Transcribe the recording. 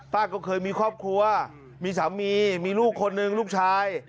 ก็เคยมีครอบครัวมีสามีมีลูกคนหนึ่งลูกชาย